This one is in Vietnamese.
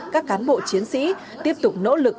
các cán bộ chiến sĩ tiếp tục nỗ lực